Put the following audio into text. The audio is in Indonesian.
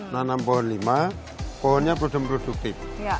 nanam pohon lima pohonnya belum produktif